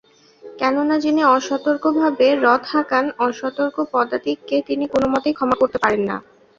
কেননা, যিনি অসতর্কভাবে রথ হাঁকান অসতর্ক পদাতিককে তিনি কোনোমতেই ক্ষমা করতে পারেন না।